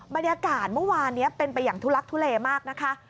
บรรยากาศเมื่อวานนี้เป็นไปอย่างทุลักทุเลมากนะคะ